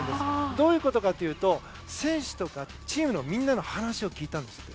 どういうことかというと選手とかチームのみんなの話を聞いたんですって。